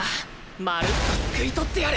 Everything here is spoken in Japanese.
まるっとすくい取ってやる！